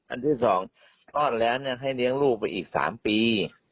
อันที่๒คลอดแล้วให้เลี้ยงลูกไปอีก๓ปี